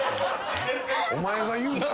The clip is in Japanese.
お前が言うたんや。